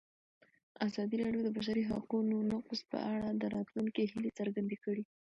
ازادي راډیو د د بشري حقونو نقض په اړه د راتلونکي هیلې څرګندې کړې.